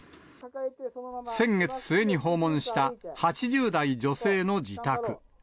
先月末に訪問した８０代女性の自宅。